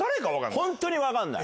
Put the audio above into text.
本当に分かんない。